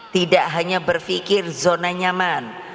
tidak hanya berpikir zona nyaman